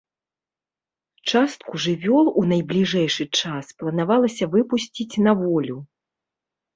Частку жывёл у найбліжэйшы час планавалася выпусціць на волю.